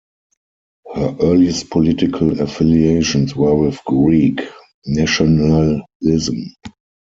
Her earliest political affiliations were with Greek nationalism.